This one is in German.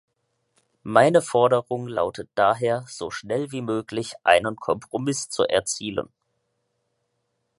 Meine Forderung lautet daher, so schnell wie möglich einen Kompromiss zu erzielen.